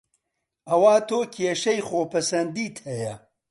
ئەوا تۆ کێشەی خۆ پەسەندیت هەیە